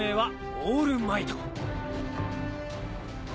オールマイト。